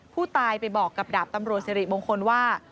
ผู้ตายไปบอกกับดาบตำรวจสิริมงคลว่า